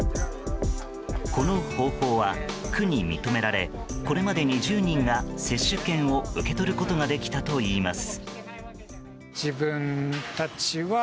この方法は区に認められこれまでに１０人が接種券を受け取ることができたといいます。